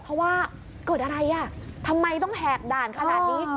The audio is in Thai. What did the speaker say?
เพราะว่าเกิดอะไรอ่ะทำไมต้องแหกด่านขนาดนี้